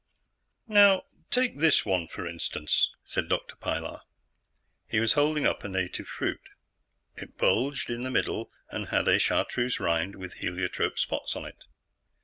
"Now, take this one, for instance," said Dr. Pilar. He was holding up a native fruit. It bulged in the middle, and had a chartreuse rind with heliotrope spots on it.